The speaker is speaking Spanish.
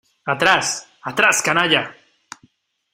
¡ atrás!... ¡ atrás, canalla !